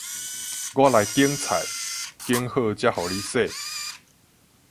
我來揀菜，揀好才予你洗